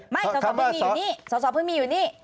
สอสอเพิ่งมีอยู่นี่สสเพิ่งมีอยู่นี่